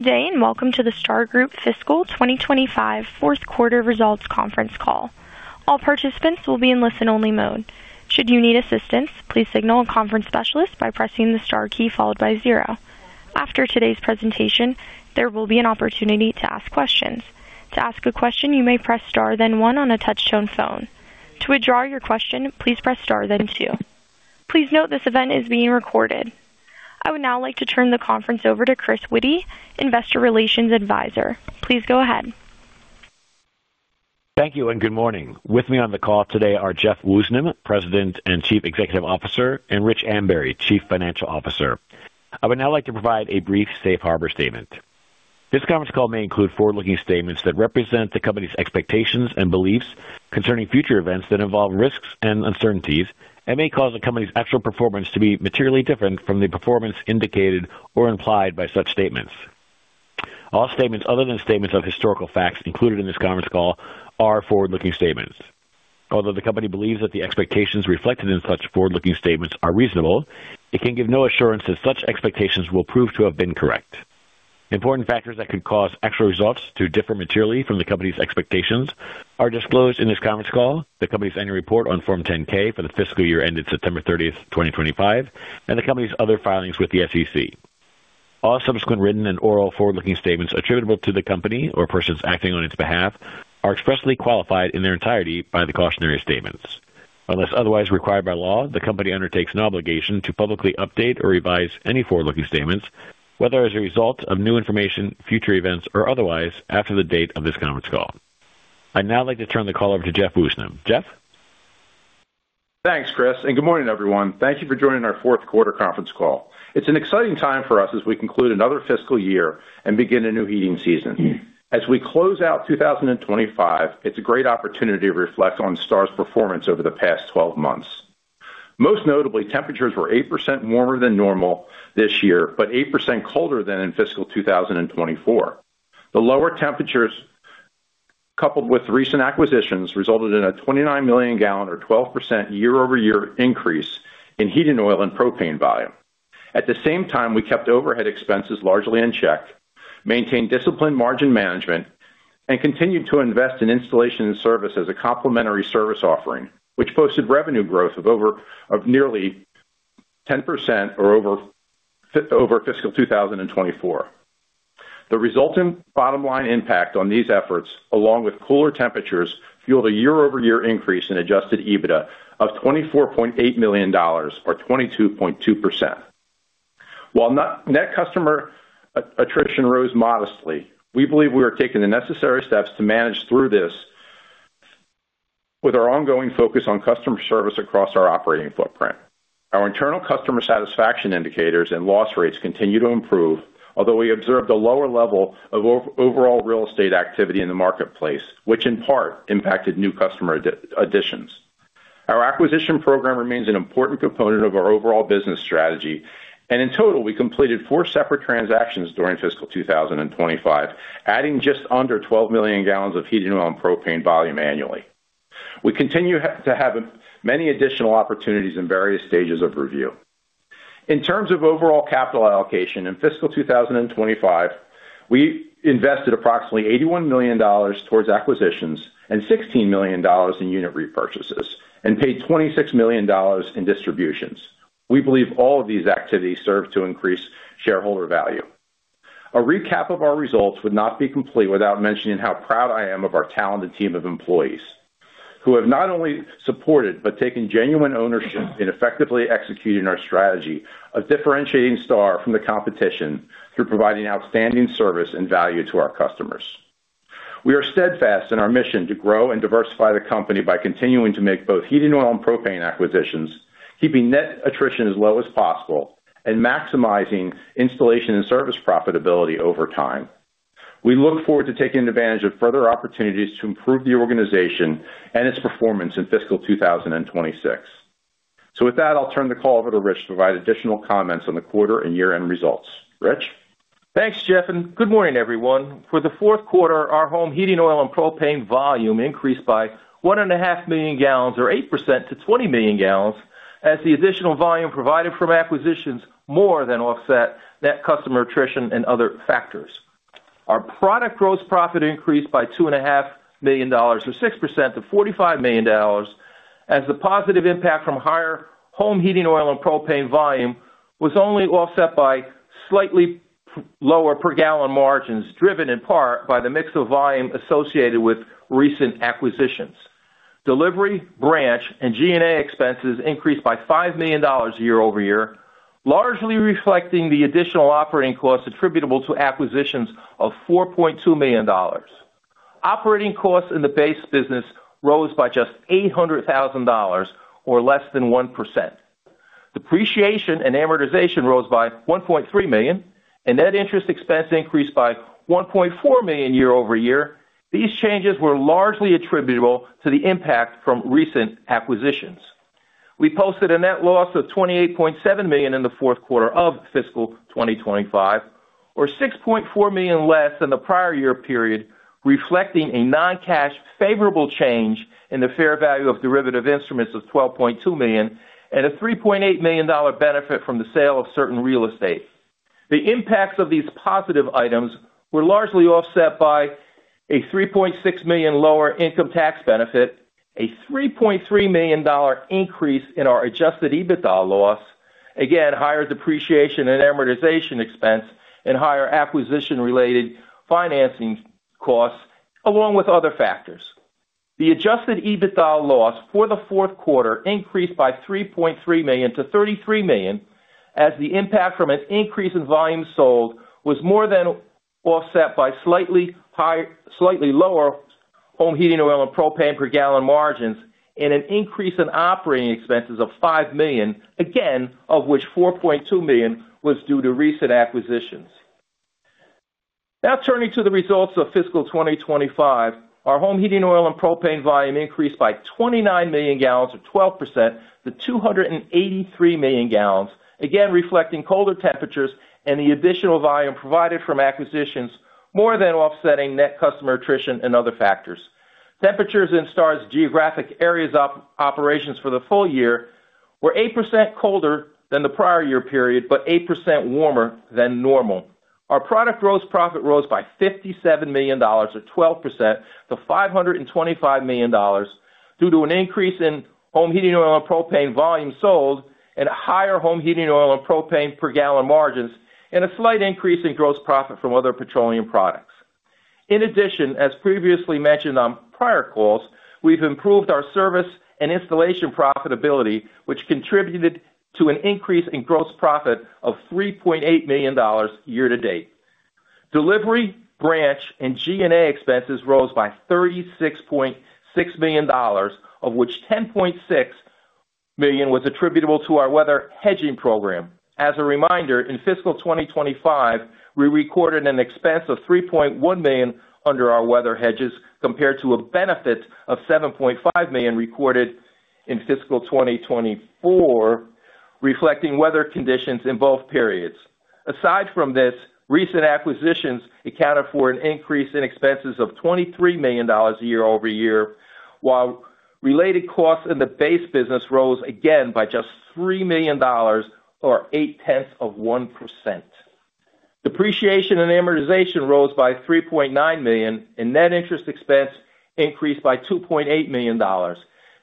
day, and welcome to the Star Group Fiscal 2025 Fourth Quarter Results Conference Call. All participants will be in listen-only mode. Should you need assistance, please signal a conference specialist by pressing the star key followed by zero. After today's presentation, there will be an opportunity to ask questions. To ask a question, you may press star, then one on a touch-tone phone. To withdraw your question, please press star, then two. Please note this event is being recorded. I would now like to turn the conference over to Chris Witty, Investor Relations Advisor. Please go ahead. Thank you, and good morning. With me on the call today are Jeff Woosnam, President and Chief Executive Officer, and Rich Ambury, Chief Financial Officer. I would now like to provide a brief safe harbor statement. This conference call may include forward-looking statements that represent the company's expectations and beliefs concerning future events that involve risks and uncertainties, and may cause the company's actual performance to be materially different from the performance indicated or implied by such statements. All statements other than statements of historical facts included in this conference call are forward-looking statements. Although the company believes that the expectations reflected in such forward-looking statements are reasonable, it can give no assurance that such expectations will prove to have been correct. Important factors that could cause actual results to differ materially from the company's expectations are disclosed in this conference call: the company's annual report on Form 10-K for the fiscal year ended September 30th, 2025, and the company's other filings with the SEC. All subsequent written and oral forward-looking statements attributable to the company or persons acting on its behalf are expressly qualified in their entirety by the cautionary statements. Unless otherwise required by law, the company undertakes an obligation to publicly update or revise any forward-looking statements, whether as a result of new information, future events, or otherwise, after the date of this conference call. I'd now like to turn the call over to Jeff Woosnam. Jeff? Thanks, Chris, and good morning, everyone. Thank you for joining our Fourth Quarter Conference Call. It's an exciting time for us as we conclude another fiscal year and begin a new heating season. As we close out 2025, it's a great opportunity to reflect on Star's performance over the past 12 months. Most notably, temperatures were 8% warmer than normal this year, but 8% colder than in fiscal 2024. The lower temperatures, coupled with recent acquisitions, resulted in a 29 million gallon, or 12% year-over-year increase in heating oil and propane volume. At the same time, we kept overhead expenses largely in check, maintained disciplined margin management, and continued to invest in installation and service as a complementary service offering, which posted revenue growth of nearly 10% over fiscal 2024. The resultant bottom-line impact on these efforts, along with cooler temperatures, fueled a year-over-year increase in Adjusted EBITDA of $24.8 million, or 22.2%. While net customer attrition rose modestly, we believe we are taking the necessary steps to manage through this with our ongoing focus on customer service across our operating footprint. Our internal customer satisfaction indicators and loss rates continue to improve, although we observed a lower level of overall real estate activity in the marketplace, which in part impacted new customer additions. Our acquisition program remains an important component of our overall business strategy, and in total, we completed four separate transactions during Fiscal 2025, adding just under 12 million gallons of heating oil and propane volume annually. We continue to have many additional opportunities in various stages of review. In terms of overall capital allocation in fiscal 2025, we invested approximately $81 million towards acquisitions and $16 million in unit repurchases, and paid $26 million in distributions. We believe all of these activities serve to increase shareholder value. A recap of our results would not be complete without mentioning how proud I am of our talented team of employees, who have not only supported but taken genuine ownership in effectively executing our strategy of differentiating Star from the competition through providing outstanding service and value to our customers. We are steadfast in our mission to grow and diversify the company by continuing to make both heating oil and propane acquisitions, keeping net attrition as low as possible, and maximizing installation and service profitability over time. We look forward to taking advantage of further opportunities to improve the organization and its performance in fiscal 2026. So with that, I'll turn the call over to Rich to provide additional comments on the quarter and year-end results. Rich? Thanks, Jeff, and good morning, everyone. For the fourth quarter, our home heating oil and propane volume increased by 1.5 million gallons, or 8% to 20 million gallons, as the additional volume provided from acquisitions more than offset net customer attrition and other factors. Our product gross profit increased by $2.5 million, or 6% to $45 million, as the positive impact from higher home heating oil and propane volume was only offset by slightly lower per gallon margins, driven in part by the mix of volume associated with recent acquisitions. Delivery, branch, and G&A expenses increased by $5 million year-over-year, largely reflecting the additional operating costs attributable to acquisitions of $4.2 million. Operating costs in the base business rose by just $800,000, or less than 1%. Depreciation and amortization rose by $1.3 million, and net interest expense increased by $1.4 million year-over-year. These changes were largely attributable to the impact from recent acquisitions. We posted a net loss of $28.7 million in the fourth quarter of fiscal 2025, or $6.4 million less than the prior year period, reflecting a non-cash favorable change in the fair value of derivative instruments of $12.2 million and a $3.8 million benefit from the sale of certain real estate. The impacts of these positive items were largely offset by a $3.6 million lower income tax benefit, a $3.3 million increase in our adjusted EBITDA loss, again, higher depreciation and amortization expense, and higher acquisition-related financing costs, along with other factors. The Adjusted EBITDA loss for the fourth quarter increased by $3.3 million to $33 million, as the impact from an increase in volume sold was more than offset by slightly lower home heating oil and propane per gallon margins and an increase in operating expenses of $5 million, again, of which $4.2 million was due to recent acquisitions. Now, turning to the results of Fiscal 2025, our home heating oil and propane volume increased by 29 million gallons, or 12% to 283 million gallons, again reflecting colder temperatures and the additional volume provided from acquisitions, more than offsetting net customer attrition and other factors. Temperatures in Star's geographic areas operations for the full year were 8% colder than the prior year period, but 8% warmer than normal. Our product gross profit rose by $57 million, or 12% to $525 million, due to an increase in home heating oil and propane volume sold and higher home heating oil and propane per gallon margins, and a slight increase in gross profit from other petroleum products. In addition, as previously mentioned on prior calls, we've improved our service and installation profitability, which contributed to an increase in gross profit of $3.8 million year-to-date. Delivery, branch, and G&A expenses rose by $36.6 million, of which $10.6 million was attributable to our weather hedging program. As a reminder, in Fiscal 2025, we recorded an expense of $3.1 million under our weather hedges compared to a benefit of $7.5 million recorded in Fiscal 2024, reflecting weather conditions in both periods. Aside from this, recent acquisitions accounted for an increase in expenses of $23 million year-over-year, while related costs in the base business rose again by just $3 million, or 8% of 1%. Depreciation and amortization rose by $3.9 million, and net interest expense increased by $2.8 million.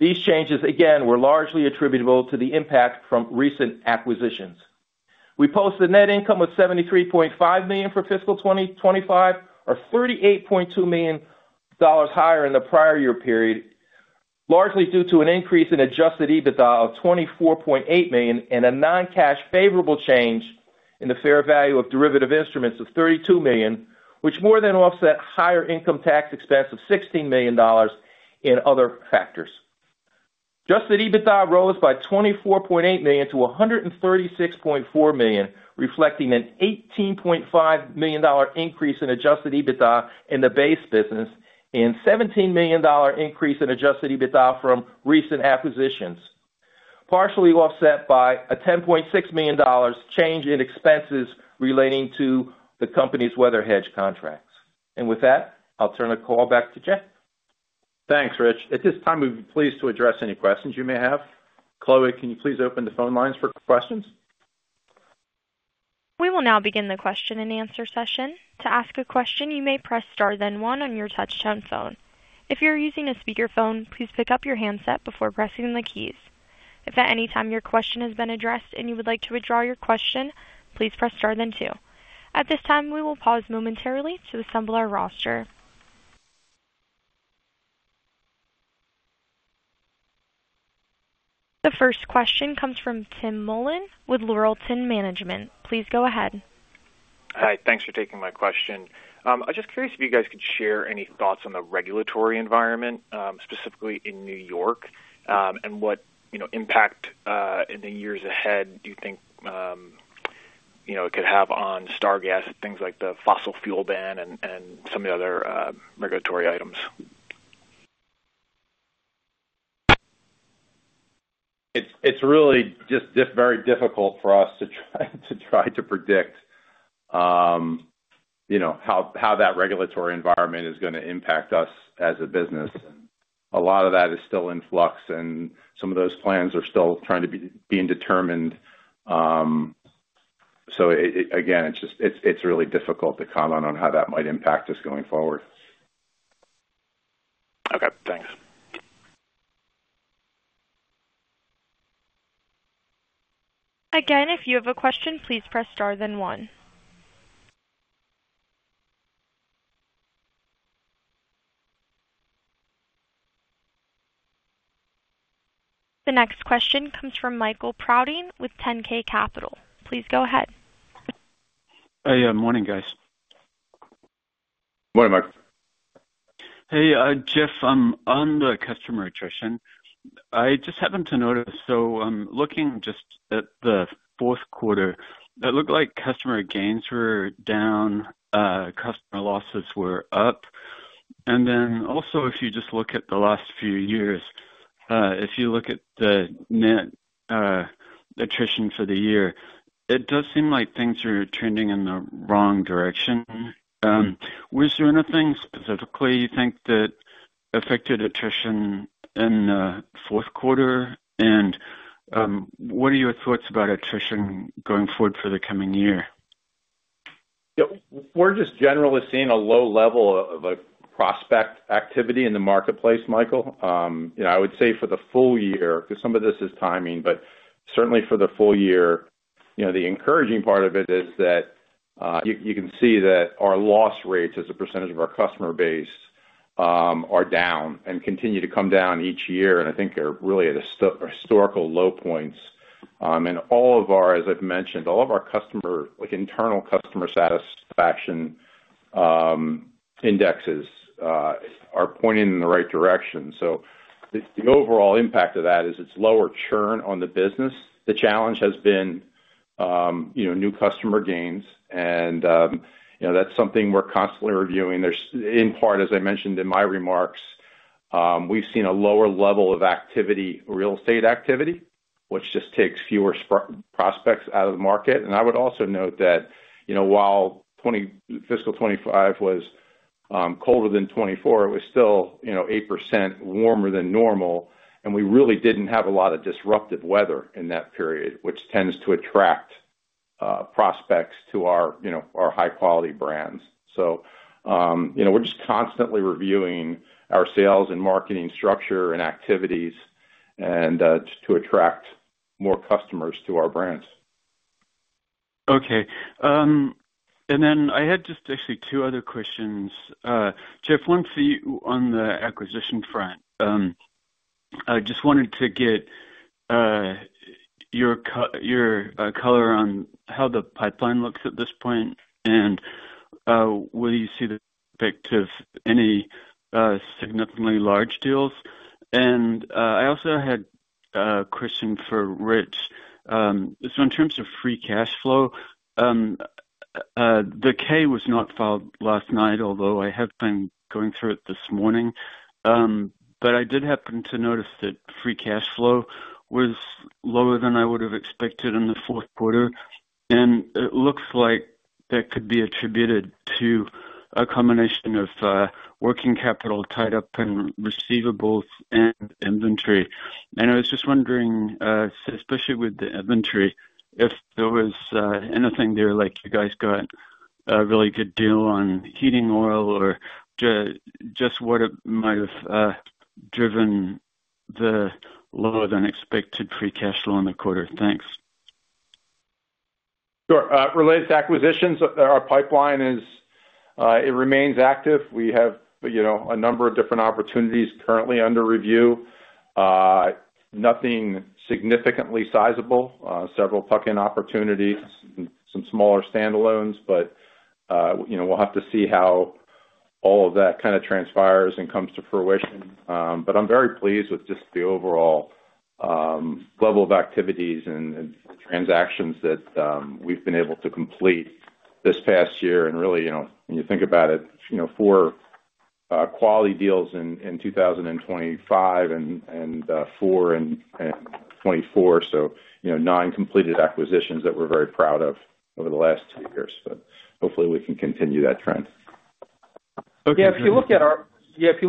These changes, again, were largely attributable to the impact from recent acquisitions. We posted net income of $73.5 million for Fiscal 2025, or $38.2 million higher in the prior year period, largely due to an increase in Adjusted EBITDA of $24.8 million and a non-cash favorable change in the fair value of derivative instruments of $32 million, which more than offset higher income tax expense of $16 million and other factors. Adjusted EBITDA rose by $24.8 million to $136.4 million, reflecting an $18.5 million increase in adjusted EBITDA in the base business and a $17 million increase in adjusted EBITDA from recent acquisitions, partially offset by a $10.6 million change in expenses relating to the company's weather hedge contracts, and with that, I'll turn the call back to Jeff. Thanks, Rich. At this time, we'd be pleased to address any questions you may have. Chloe, can you please open the phone lines for questions? We will now begin the question-and-answer session. To ask a question, you may press star, then one on your touch-tone phone. If you're using a speakerphone, please pick up your handset before pressing the keys. If at any time your question has been addressed and you would like to withdraw your question, please press star, then two. At this time, we will pause momentarily to assemble our roster. The first question comes from Tim Mullin with Laurelton Management. Please go ahead. Hi. Thanks for taking my question. I'm just curious if you guys could share any thoughts on the regulatory environment, specifically in New York, and what impact in the years ahead you think it could have on Star gas, things like the fossil fuel ban and some of the other regulatory items. It's really just very difficult for us to try to predict how that regulatory environment is going to impact us as a business. A lot of that is still in flux, and some of those plans are still trying to be determined. So again, it's really difficult to comment on how that might impact us going forward. Okay. Thanks. Again, if you have a question, please press star, then one. The next question comes from Michael Prouting with 10K Capital. Please go ahead. Hey. Good morning, guys. Morning, Michael. Hey, Jeff. On the customer attrition, I just happened to notice, so I'm looking just at the fourth quarter; it looked like customer gains were down, customer losses were up, and then also, if you just look at the last few years, if you look at the net attrition for the year, it does seem like things are trending in the wrong direction. Was there anything specifically you think that affected attrition in the fourth quarter, and what are your thoughts about attrition going forward for the coming year? Yeah. We're just generally seeing a low level of prospect activity in the marketplace, Michael. I would say for the full year, because some of this is timing, but certainly for the full year, the encouraging part of it is that you can see that our loss rates as a percentage of our customer base are down and continue to come down each year. And I think they're really at historical low points. And all of our, as I've mentioned, all of our internal customer satisfaction indexes are pointing in the right direction. So the overall impact of that is it's lower churn on the business. The challenge has been new customer gains, and that's something we're constantly reviewing. In part, as I mentioned in my remarks, we've seen a lower level of real estate activity, which just takes fewer prospects out of the market. And I would also note that while fiscal 25 was colder than 24, it was still 8% warmer than normal. And we really didn't have a lot of disruptive weather in that period, which tends to attract prospects to our high-quality brands. So we're just constantly reviewing our sales and marketing structure and activities to attract more customers to our brands. Okay, and then I had just actually two other questions. Jeff, one for you on the acquisition front. I just wanted to get your color on how the pipeline looks at this point and whether you see the effect of any significantly large deals, and I also had a question for Rich, so in terms of free cash flow, the K was not filed last night, although I have been going through it this morning, but I did happen to notice that free cash flow was lower than I would have expected in the fourth quarter, and it looks like that could be attributed to a combination of working capital tied up in receivables and inventory. I was just wondering, especially with the inventory, if there was anything there like you guys got a really good deal on heating oil or just what it might have driven the lower-than-expected free cash flow in the quarter? Thanks. Sure. Related to acquisitions, our pipeline remains active. We have a number of different opportunities currently under review. Nothing significantly sizable, several tuck-in opportunities, some smaller standalones, but we'll have to see how all of that kind of transpires and comes to fruition, but I'm very pleased with just the overall level of activities and transactions that we've been able to complete this past year. And really, when you think about it, four quality deals in 2025 and four in 2024, so eight completed acquisitions that we're very proud of over the last two years, but hopefully, we can continue that trend. Yeah. If you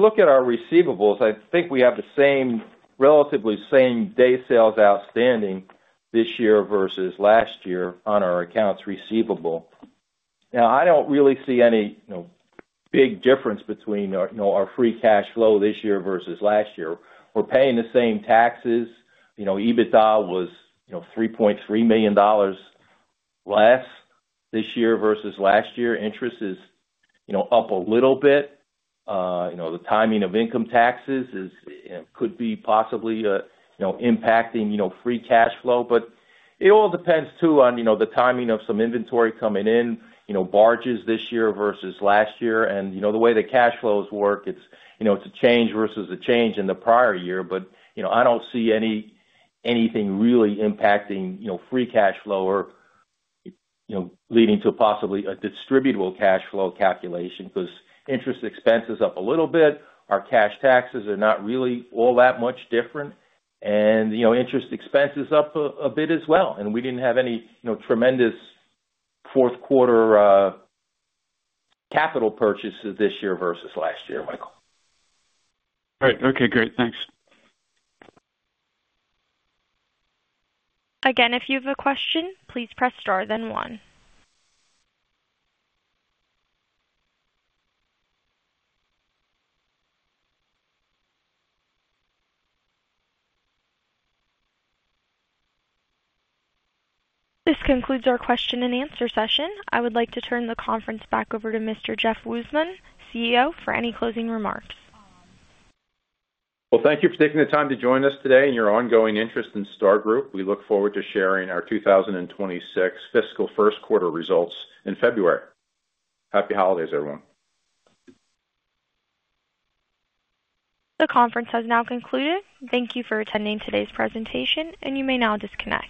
look at our receivables, I think we have the same days sales outstanding this year versus last year on our accounts receivable. Now, I don't really see any big difference between our free cash flow this year versus last year. We're paying the same taxes. EBITDA was $3.3 million less this year versus last year. Interest is up a little bit. The timing of income taxes could be possibly impacting free cash flow. But it all depends too on the timing of some inventory coming in, barges this year versus last year. And the way the cash flows work, it's a change versus a change in the prior year. But I don't see anything really impacting free cash flow or leading to possibly a distributable cash flow calculation because interest expenses up a little bit. Our cash taxes are not really all that much different. And interest expenses up a bit as well. And we didn't have any tremendous fourth-quarter capital purchases this year versus last year, Michael. All right. Okay. Great. Thanks. Again, if you have a question, please press star, then one. This concludes our question-and-answer session. I would like to turn the conference back over to Mr. Jeff Woosnam, CEO, for any closing remarks. Thank you for taking the time to join us today and your ongoing interest in Star Group. We look forward to sharing our 2026 fiscal first quarter results in February. Happy holidays, everyone. The conference has now concluded. Thank you for attending today's presentation, and you may now disconnect.